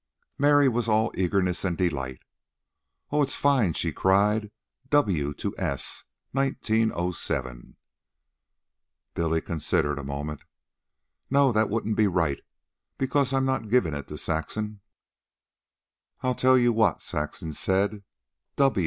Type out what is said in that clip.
Mary was all eagerness and delight. "Oh, it's fine," she cried. "W to S, 1907." Billy considered a moment. "No, that wouldn't be right, because I'm not giving it to Saxon." "I'll tell you what," Saxon said.